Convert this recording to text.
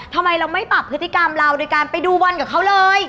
ทำไมเราไม่ปรับพฤติกรรมเราโดยการไปดูบอลกับเขาเลย